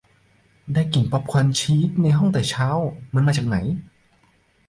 ได้กลิ่นป๊อบคอร์นชีสในห้องแต่เช้า มันมาจากไหน ?